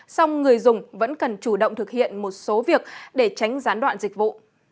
song người dùng vẫn cần chủ động thực hiện một số việc để tránh gián đoạn dịch vụ